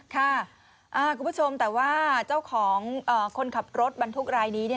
คุณผู้ชมแต่ว่าเจ้าของคนขับรถบรรทุกรายนี้